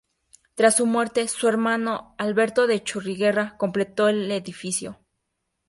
Tras su muerte, su hermano, Alberto de Churriguera, completó el edificio.